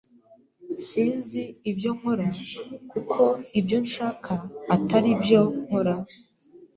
Sinzi ibyo nkora; kuko ibyo nshaka, atari byo nkora